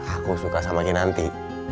aku suka sama kinanti